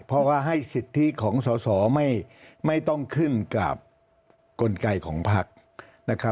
เพราะว่าให้สิทธิของสอสอไม่ต้องขึ้นกับกลไกของพักนะครับ